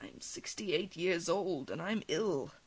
I am sixty eight years old, and I am ill.